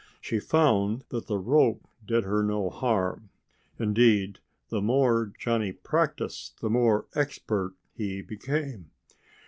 She found that the rope did her no harm. Indeed, the more Johnnie practiced the more expert he became.